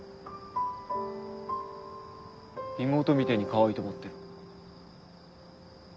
妹みてぇにかわいいと思ってる。